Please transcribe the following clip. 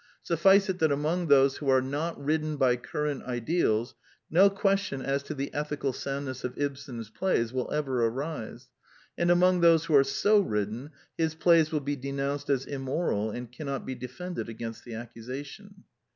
Suffice it that among those who are not ridden by current ideals no question as to the ethical soundness of Ibsen's plays will ever arise; and among those who are so ridden his plays will be denounced as immoral, and cannot be defended against the accusation.